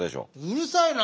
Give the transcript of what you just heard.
うるさいな。